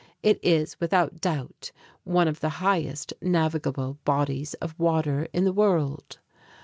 It is, without doubt, one of the highest navigable bodies of water in the world.